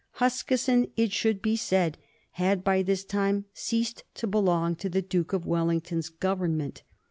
Huskisson, it should be said, had by this time ceased to belong to the Duke of Wellington's Government.